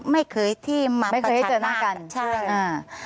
ไม่เคยที่มาประชาตาใช่ไม่เคยให้เจอหน้ากัน